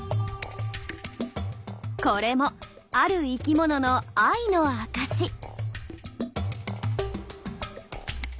これもある生きものの愛の証し。